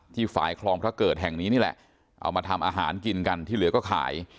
ฝ่ายคลองพระเกิดแห่งนี้นี่แหละเอามาทำอาหารกินกันที่เหลือก็ขาย